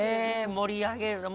盛り上げるのが。